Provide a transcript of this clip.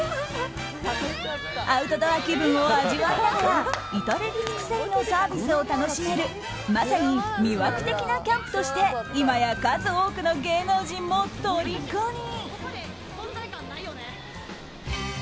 アウトドア気分を味わいながら至れり尽くせりのサービスを楽しめるまさに魅惑的なキャンプとして今や、数多くの芸能人もとりこに。